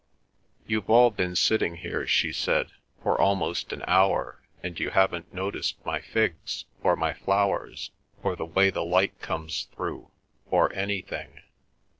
"You've all been sitting here," she said, "for almost an hour, and you haven't noticed my figs, or my flowers, or the way the light comes through, or anything.